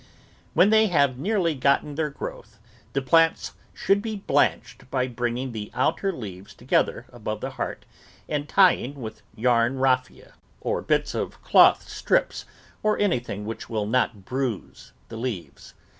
When they have nearly gotten their growth, the plants should be blanched by bringing the outer leaves together above the heart and tying with yarn raffia or bits of cloth strips, or anything which will not bruise the leaves.